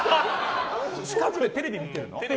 近くでテレビ見てるの？